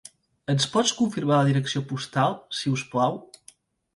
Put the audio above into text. Ens pots confirmar la direcció postal, si us plau?